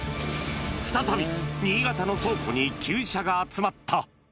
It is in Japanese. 再び、新潟の倉庫に旧車が集まった。